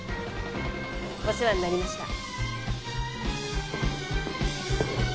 お世話になりました。